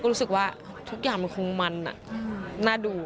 ก็รู้สึกว่าทุกอย่างมันคงมันน่าดู